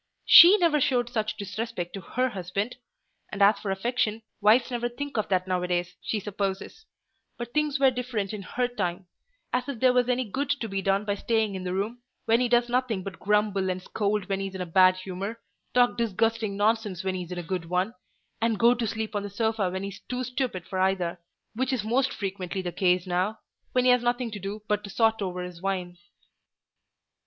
She never showed such disrespect to her husband: and as for affection, wives never think of that now a days, she supposes: but things were different in her time—as if there was any good to be done by staying in the room, when he does nothing but grumble and scold when he's in a bad humour, talk disgusting nonsense when he's in a good one, and go to sleep on the sofa when he's too stupid for either; which is most frequently the case now, when he has nothing to do but to sot over his wine."